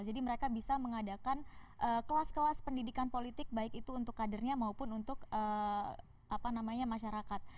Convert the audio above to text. jadi mereka bisa mengadakan kelas kelas pendidikan politik baik itu untuk kadernya maupun untuk masyarakat